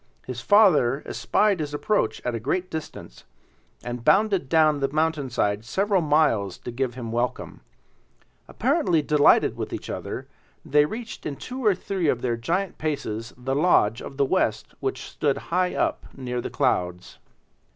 His father espied his approach at a great distance, and bounded down the mountainside several miles to give him welcome. Apparently delighted with each other, they reached in two or three of their giant paces the lodge of the West which stood high up near the clouds.